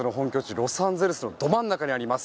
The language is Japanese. ロサンゼルスのど真ん中にあります。